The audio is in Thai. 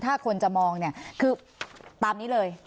ถ้าคนจะมองเนี่ยคือตามนี้เลย